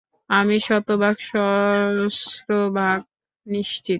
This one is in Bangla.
আমি শতভাগ, সহস্রভাগ নিশ্চিত!